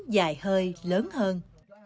dài hơi lớn hơn